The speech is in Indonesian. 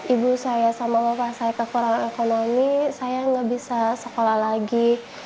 ibu saya sama bapak saya kekurangan ekonomi saya nggak bisa sekolah lagi